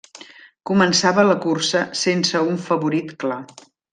Començava la cursa sense un favorit clar.